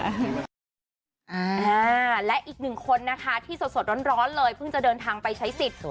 อ่าและอีกหนึ่งคนนะคะที่สดร้อนเลยเพิ่งจะเดินทางไปใช้สิทธิ์